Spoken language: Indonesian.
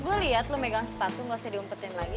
gue liat lo megang sepatu gak usah diumpetin lagi